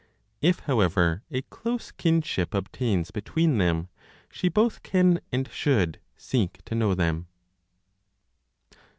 If however a close kinship obtains between them, she both can and should seek to know them.